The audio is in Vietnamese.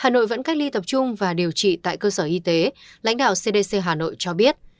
hà nội vẫn cách ly tập trung và điều trị tại cơ sở y tế lãnh đạo cdc hà nội cho biết